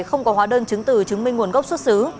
không có hóa đơn chứng từ chứng minh nguồn gốc xuất xứ